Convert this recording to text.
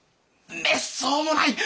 めっそうもない！